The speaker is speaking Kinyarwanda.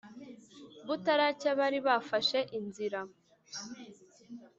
butaracya, bari bafashe inzira.